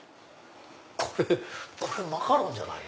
これマカロンじゃないの？